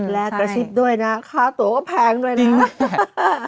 แล้วก็ชิดด้วยนะค้าตัวก็แพงด้วยนะจริงแหละ